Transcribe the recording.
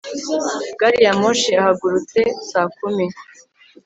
gari ya moshi yahagurutse saa kumi